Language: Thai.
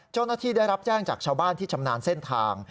เจ้าหน้าที่ได้รับแจ้งจากชาวบ้านที่ชำนาญเส้นทาง